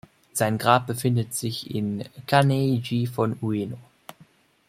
Sein Grab befindet sich in Kan’ei-ji von Ueno.